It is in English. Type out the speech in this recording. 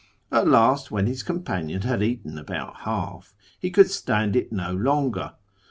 At last, when his companion had eaten about half, he could stand it no longer.